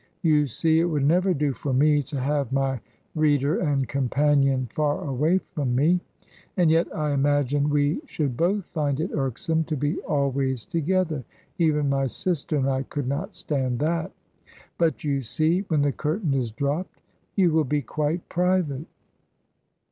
You see, it would never do for me to have my reader and companion far away from me. And yet I imagine we should both find it irksome to be always together even my sister and I could not stand that; but, you see, when the curtain is dropped, you will be quite private."